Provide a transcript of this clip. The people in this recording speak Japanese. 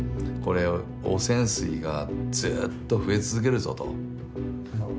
これ汚染水がずっと増え続けるぞと。